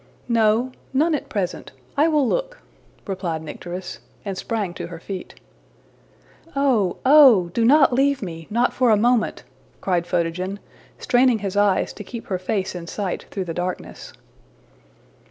``No none at present. I will look,'' replied Nycteris, and sprang to her feet. ``Oh, oh! do not leave me not for a moment,'' cried Photogen, straining his eyes to keep her face in sight through the darkness.